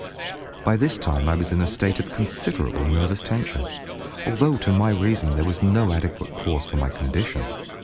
By this time I was in a state of considerable nervous tension, although to my reason there was no adequate cause for my condition.